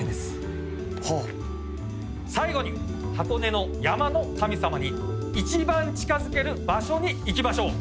最後に箱根の山の神様に一番近づける場所に行きましょう。